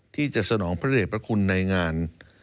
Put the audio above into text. ที่จะสนองพระเด็จพระคุณในงาน